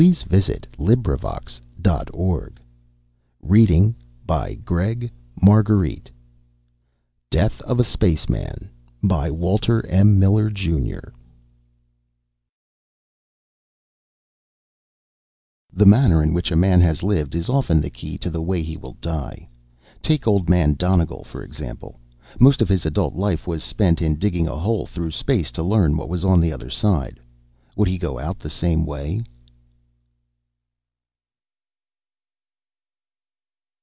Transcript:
net [Illustration: Illustrator: Ernest Schroeder] DEATH OF A SPACEMAN BY WALTER M. MILLER, JR. _The manner in which a man has lived is often the key to the way he will die. Take old man Donegal, for example. Most of his adult life was spent in digging a hole through space to learn what was on the other side. Would he go out the same way?